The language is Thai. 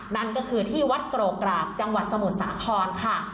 นั่นก็คือที่วัดโกรกกรากจังหวัดสมุทรสาครค่ะ